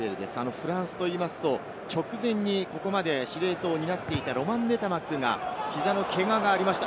フランスといいますと、直前にここまで司令塔を担っていたロマン・ヌタマックが膝のけががありました。